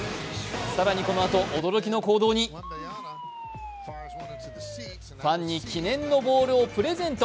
更に、このあと驚きの行動に、ファンに記念のボールをプレゼント。